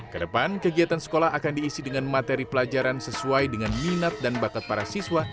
kedepan kegiatan sekolah akan diisi dengan materi pelajaran sesuai dengan minat dan bakat para siswa